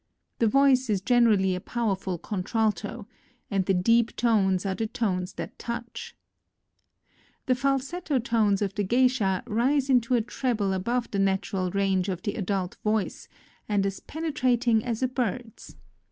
The voice is generally a power ful contralto; amd the deep tones are the tones that touch. The falsetto tones of the geisha rise into a treble above the natural NOTES OF A TRIP TO KYOTO 45 range of the adult voice, and as penetrating as a bird's.